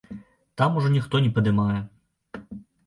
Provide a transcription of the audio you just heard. Там ужо ніхто не падымае.